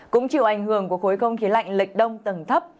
cũng chịu ảnh hưởng của khối không khí lạnh lịch đông tầng thấp